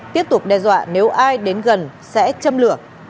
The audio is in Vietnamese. tiếp tục đe dọa nếu ai đến gần sẽ châm lửa